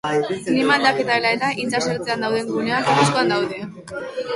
Klima aldaketa dela eta, itsas ertzean dauden guneak ariskuan daude